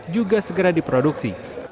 juga segera diproduksi